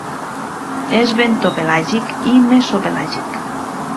És bentopelàgic i mesopelàgic.